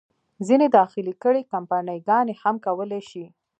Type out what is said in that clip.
ځینې داخلي کړۍ، کمپني ګانې هم کولای شي.